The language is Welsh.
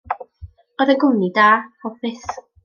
Roedd e'n gwmni da, hoffus.